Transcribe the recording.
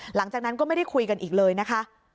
หลังจากนั้นก็ไม่ได้คุยกันอีกเลยนะคะ